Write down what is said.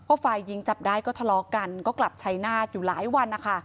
พอฝ่ายหญิงจับได้ก็ทะเลาะกันก็กลับชัยนาฏอยู่หลายวันนะคะ